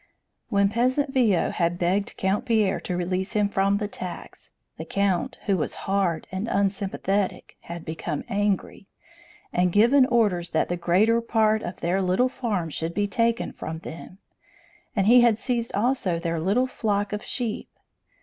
When peasant Viaud had begged Count Pierre to release him from the tax, the count, who was hard and unsympathetic, had become angry, and given orders that the greater part of their little farm should be taken from them, and he had seized also their little flock of sheep.